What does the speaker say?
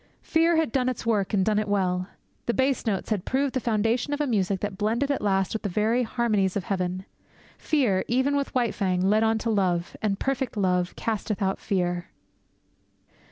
Fear had done its work, and done it well. The bass notes had proved the foundation of a music that blended at last with the very harmonies of heaven. Fear, even with White Fang, led on to love; and perfect love casteth out fear.